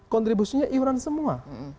kontribusinya iuran semua